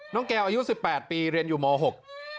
แก้วอายุสิบแปดปีเรียนอยู่มหก